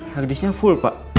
harddisknya full pak